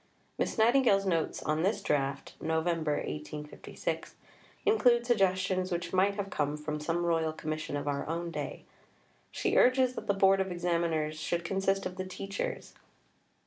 Miss Nightingale's notes on this Draft (Nov. 1856) include suggestions which might have come from some Royal Commission of our own day. She urges that the Board of Examiners should consist of the teachers.